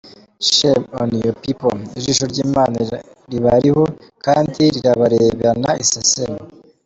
Shame on you people, ijisho ry’Imana ribariho kandi rirabarebana isesemi.